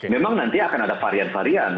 memang nanti akan ada varian varian